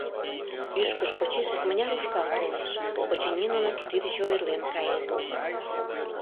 Ӱшкыж почеш икмыняр ушкал толеш, очыни нуно кӱтӱ деч ойырлен каеныт.